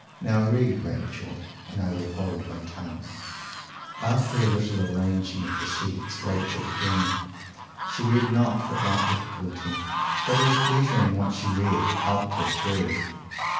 Now read, Rachel, and I will hold my tongue." After a little arranging of the sheets, Rachel began. She read not without difficulty, but her pleasure in what she read helped her through.